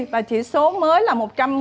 và chỉ số mới là một trăm một mươi